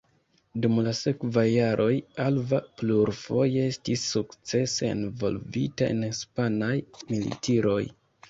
Dum la sekvaj jaroj Alva plurfoje estis sukcese envolvita en hispanaj militiroj.